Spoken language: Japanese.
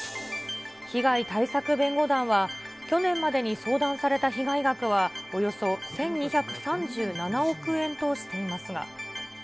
被害対策弁護団は、去年までに相談された被害額はおよそ１２３７億円としていますが。